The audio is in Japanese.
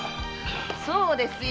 そうですよ。